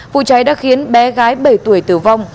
vụ cháy đã khiến bé gái bảy tuổi tử vong